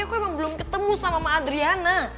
aku emang belum ketemu sama mama adrian